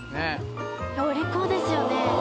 お利口ですよね。